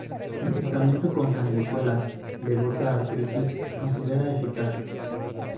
El tratamiento con sanguijuelas de Gota artritis se considera eficaz..